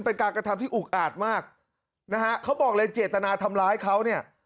เป็นการกระทำที่อุกอาจมากนะฮะเขาบอกเลยเจตนาทำร้ายเขาเนี่ย